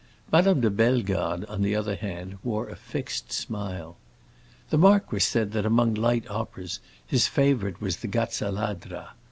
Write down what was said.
Madame de Bellegarde, on the other hand, wore a fixed smile. The marquis said that among light operas his favorite was the Gazza Ladra.